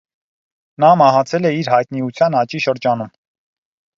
Նա մահացել է իր հայտնիության աճի շրջանում։